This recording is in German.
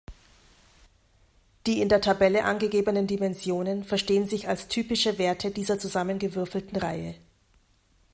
Die in der Tabelle angegebenen Dimensionen verstehen sich als typische Werte dieser zusammengewürfelten Reihe.